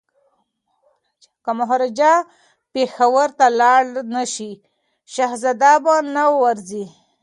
که مهاراجا پېښور ته لاړ نه شي شهزاده به نه ورځي.